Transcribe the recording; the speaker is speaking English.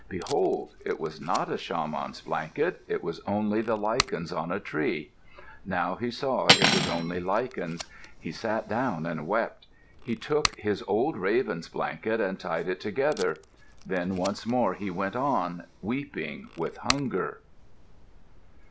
Behold! it was not a shaman's blanket. It was only the lichens on a tree. Now he saw it was only lichens. He sat down and wept. He took his old raven's blanket and tied it together. Then once more he went on, weeping with hunger.